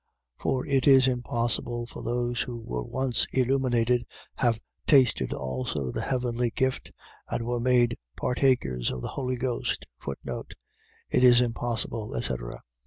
6:4. For it is impossible for those who were once illuminated, have tasted also the heavenly gift and were made partakers of the Holy Ghost, It is impossible, etc. ..